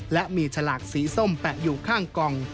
และมีฉลากสีส้มแปะอยู่ข้างกล่อง